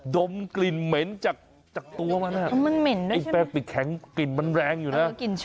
ดมกลิ่นเหม็นจากตัวมันเหม็นนะไอ้แปลงปิดแข็งกลิ่นมันแรงอยู่นะ